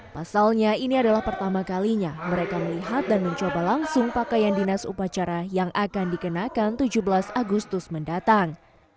pasalnya ini adalah pertama kalinya mereka melihat dan mencoba langsung pakaian dinas upacara yang akan dikenakan tujuh belas agustus mendatang